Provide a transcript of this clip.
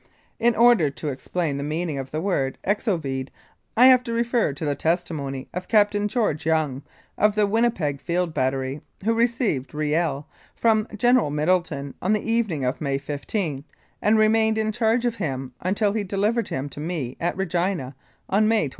In order to explain the meaning of the word "Exo vede " I have to refer to the testimony of Ciptain George Young, of the Winnipeg Field Battery, who received Riel from General Middleton on the evening of May 15, and remained in charge of him until he delivered him to me at Regina on May 23.